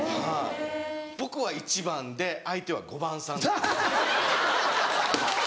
僕は１番で相手は５番さんです。